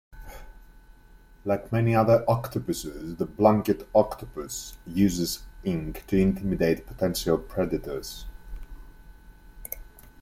Like many other octopuses, the blanket octopus uses ink to intimidate potential predators.